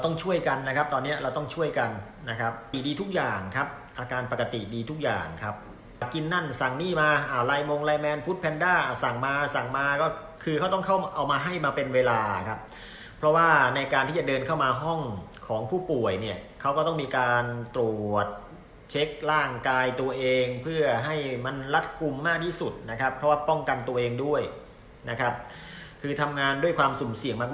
ตอนเนี้ยเราต้องช่วยกันนะครับดีดีทุกอย่างครับอาการปกติดีทุกอย่างครับกินนั่นสั่งหนี้มาอ่าไลมองไลแมนฟุตแพนด้าสั่งมาสั่งมาก็คือเขาต้องเข้าเอามาให้มาเป็นเวลาครับเพราะว่าในการที่จะเดินเข้ามาห้องของผู้ป่วยเนี่ยเขาก็ต้องมีการตรวจเช็คร่างกายตัวเองเพื่อให้มันลัดกลุ่มมากที่สุดนะครับเพราะว่าป้อง